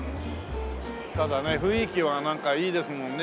ただね雰囲気はいいですもんね